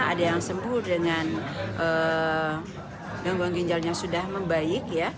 ada yang sembuh dengan gangguan ginjalnya sudah membaik